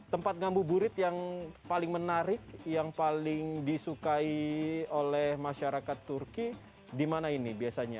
tempat ngambu burit yang paling menarik yang paling disukai oleh masyarakat turki di mana ini biasanya